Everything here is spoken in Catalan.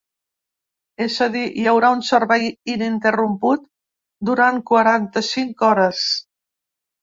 És a dir, hi haurà un servei ininterromput durant quaranta-cinc hores.